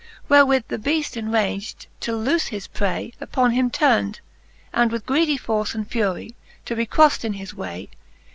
Wherewith the beaft enrag'd to loole his pray. Upon him turned, and with greedie force And furie, to be croflcd in his way.